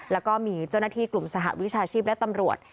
แล้วก็มีเจ้าหน้าที่กลุ่มสหวิชาชีพและตำรวจ